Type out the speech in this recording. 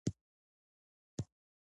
د بدن بوی د شخصي عادتونو سره تړاو لري.